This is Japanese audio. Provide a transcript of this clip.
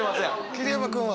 桐山君は？